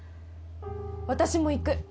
私も行く。